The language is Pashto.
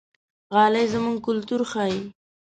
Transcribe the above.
غالۍ زموږ کلتور ښيي.